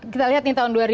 kita lihat nih tahun